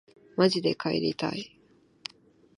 まじで帰りたい